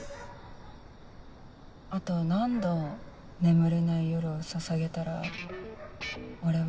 「あと何度眠れない夜をささげたら俺は」。